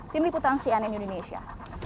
tim liputan cnn indonesia